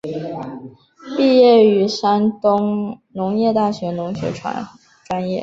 毕业于山东农业大学农学专业。